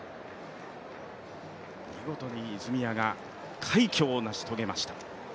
見事に泉谷が快挙を成し遂げました。